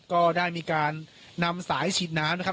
ก็ได้มีการนำสายฉีดน้ำนะครับ